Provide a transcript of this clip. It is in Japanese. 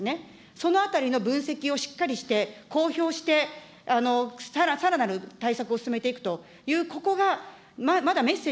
そのあたりの分析をしっかりして、公表して、さらなる対策を進めていくという、ここがまだメッセー